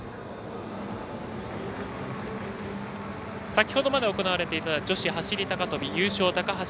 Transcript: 先ほどまで行われていた女子走り高跳び優勝、高橋渚。